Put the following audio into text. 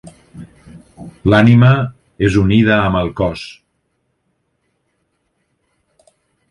L'ànima és unida amb el cos.